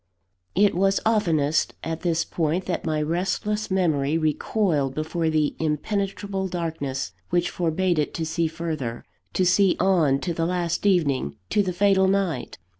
It was oftenest at this point, that my restless memory recoiled before the impenetrable darkness which forbade it to see further to see on to the last evening, to the fatal night.